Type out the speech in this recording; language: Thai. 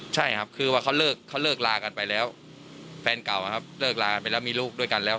ใช่ครับคือว่าเขาเลิกเขาเลิกลากันไปแล้วแฟนเก่านะครับเลิกลาไปแล้วมีลูกด้วยกันแล้ว